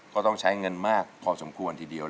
ก็ต้องใช้เงินมากพอสมควรทีเดียว